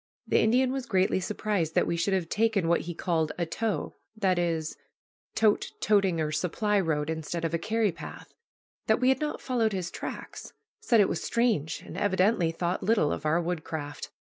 The Indian was greatly surprised that we should have taken what he called a "tow," that is, tote, toting, or supply, road instead of a carry path, that we had not followed his tracks, said it was "strange," and evidently thought little of our woodcraft.